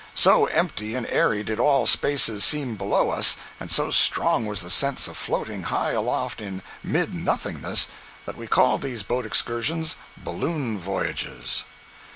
So empty and airy did all spaces seem below us, and so strong was the sense of floating high aloft in mid nothingness, that we called these boat excursions "balloon voyages."